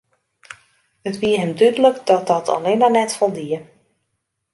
It wie him dúdlik dat dat allinne net foldie.